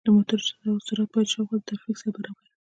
د موټرو سرعت باید د شاوخوا ترافیک سره برابر وي.